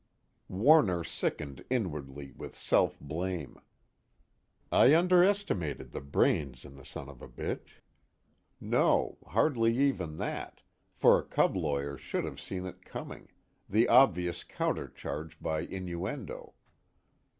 Warner sickened inwardly with self blame. I underestimated the brains in the son of a bitch no, hardly even that, for a cub lawyer should have seen it coming, the obvious countercharge by innuendo.